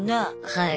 はい。